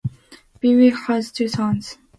Billy has two sons.